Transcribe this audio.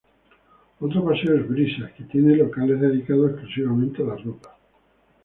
Otro paseo es "Brisas" que tiene locales dedicados exclusivamente a la ropa.